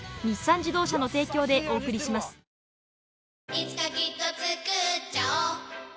いつかきっとつくっちゃおう